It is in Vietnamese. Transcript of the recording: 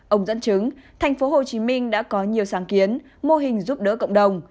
ông dẫn chứng tp hcm đã có nhiều sáng kiến mô hình giúp đỡ cộng đồng